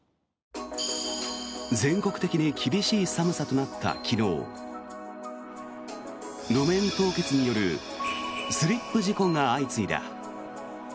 全国的に厳しい寒さとなった昨日路面凍結によるスリップ事故が相次いだ。